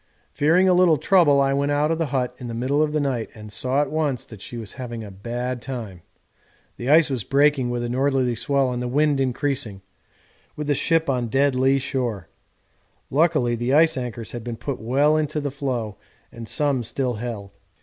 Fearing a little trouble I went out of the hut in the middle of the night and saw at once that she was having a bad time the ice was breaking with a northerly swell and the wind increasing, with the ship on dead lee shore; luckily the ice anchors had been put well in on the floe and some still held.